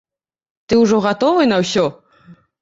Ты ўжо гатовы на ўсё?